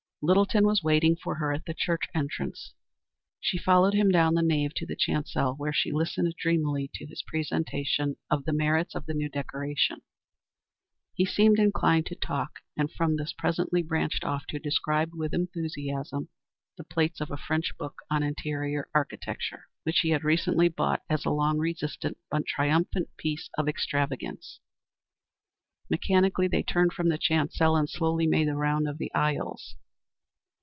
Littleton was waiting for her at the church entrance. She followed him down the nave to the chancel where she listened dreamily to his presentation of the merits of the new decoration. He seemed inclined to talk, and from this presently branched off to describe with enthusiasm the plates of a French book on interior architecture, which he had recently bought as a long resisted but triumphant piece of extravagance. Mechanically, they turned from the chancel and slowly made the round of the aisles.